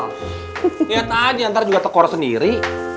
lihat aja ntar juga tekor sendiri